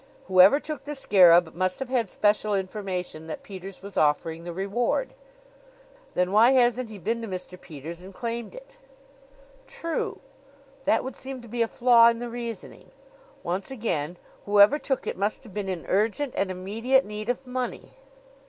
Whoever took the scarab must have had special information that Peters was offering the reward." "Then why hasn't he been to Mr. Peters and claimed it?" "True! That would seem to be a flaw in the reasoning. Once again: Whoever took it must have been in urgent and immediate need of money."